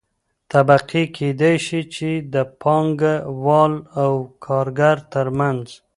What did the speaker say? طبقې کيدى شي چې د پانګه وال او کارګر ترمنځ